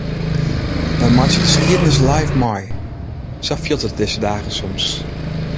Wy meitsje de skiednis live mei, sa fielt it dizze dagen soms.